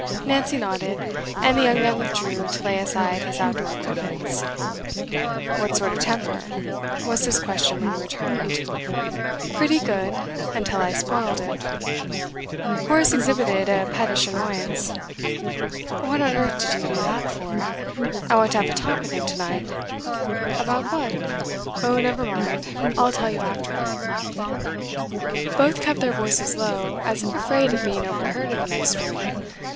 Nancy nodded, and the young man withdrew to lay aside his outdoor equipments. 'What sort of temper?' was his question when he returned. 'Pretty good until I spoilt it.' Horace exhibited a pettish annoyance. 'What on earth did you do that for? I want to have a talk with him to night.' 'About what?' 'Oh, never mind; I'll tell you after.' Both kept their voices low, as if afraid of being overheard in the next room.